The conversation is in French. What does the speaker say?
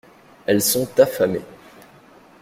Elles sont affamées.